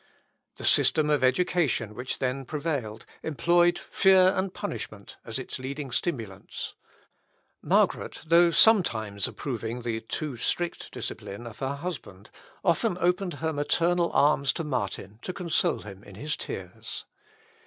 The system of education which then prevailed employed fear and punishment as its leading stimulants. Margaret, though sometimes approving the too strict discipline of her husband, often opened her maternal arms to Martin, to console him in his tears.